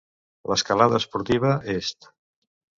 L'escalada esportiva est